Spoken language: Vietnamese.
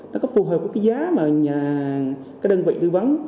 nó có phù hợp với cái giá mà cái đơn vị tư vấn